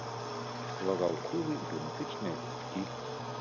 Ствараў хоры і драматычныя гурткі.